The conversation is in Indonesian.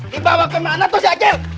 dibawa kemana tuh si acil